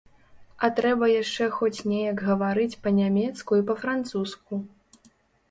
А трэба яшчэ хоць неяк гаварыць па-нямецку і па-французску.